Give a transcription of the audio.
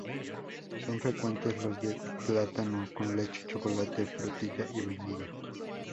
Son frecuentes los de plátano con leche, chocolate, frutilla y vainilla.